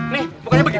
nih bukanya begitu